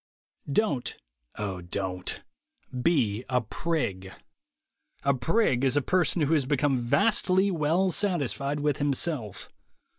Don't, (O Don't) be a prig. A prig is a person who has become vastly well satisfied with himself.